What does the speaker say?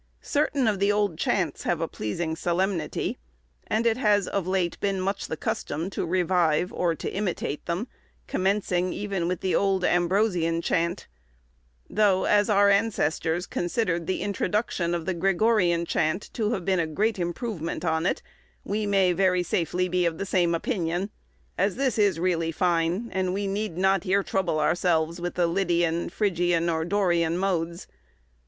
Certain of the old chants have a pleasing solemnity, and it has of late been much the custom to revive or to imitate them, commencing even with the old Ambrosian chant; though, as our ancestors considered the introduction of the Gregorian chant to have been a great improvement on it, we may very safely be of the same opinion, as this is really fine, and we need not here trouble ourselves with the Lydian, Phrygian, or Dorian modes.